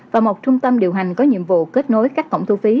và một trung tâm điều hành có nhiệm vụ kết nối các tổng thu phí